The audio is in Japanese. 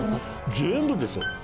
全部ですよ。